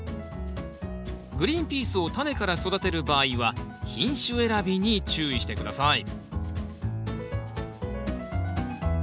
グリーンピースをタネから育てる場合は品種選びに注意して下さい